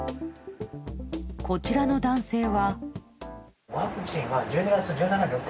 こちらの男性は。